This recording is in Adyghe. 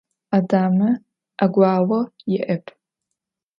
Adame 'eguao yi'ep.